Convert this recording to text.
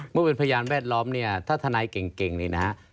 เมื่อเป็นพยานแวดล้อมเนี่ยถ้าทนายเก่งนี่นะฮะ